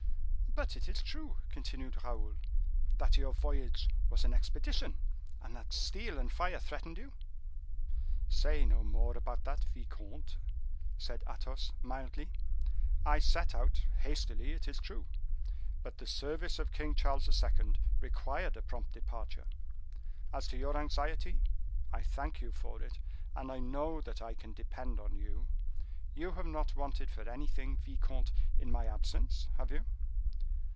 "But it is true," continued Raoul, "that your voyage was an expedition, and that steel and fire threatened you?" "Say no more about that, vicomte," said Athos, mildly. "I set out hastily, it is true: but the service of King Charles II. required a prompt departure. As to your anxiety, I thank you for it, and I know that I can depend on you. You have not wanted for anything, vicomte, in my absence, have you?"